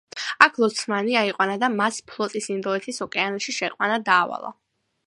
აქ ლოცმანი აიყვანა და მას ფლოტის ინდოეთის ოკეანეში შეყვანა დაავალა.